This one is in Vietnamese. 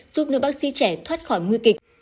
giúp nữ bác sĩ trẻ thoát khỏi nguy kịch